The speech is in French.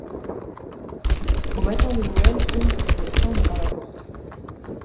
Au matin de Noël Tim trouve le train devant la porte.